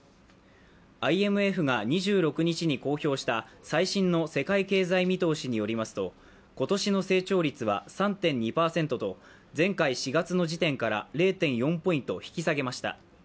ＩＭＦが２６日に公表した最新の世界経済見通しによりますと今年の成長率は３．２％と前回４月の時点から０．４ポイント引き下げました。